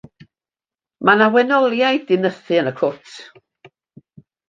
Mae 'na wenoliaid 'di nythu yn y cwt.